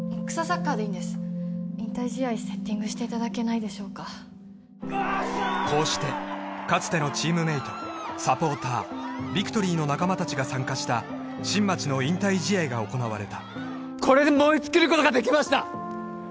サッカーでいいんです引退試合セッティングしていただけないでしょうかこうしてかつてのチームメイトサポータービクトリーの仲間達が参加した新町の引退試合が行われたこれで燃え尽きることができました